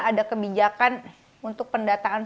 ada kebijakan untuk pendataan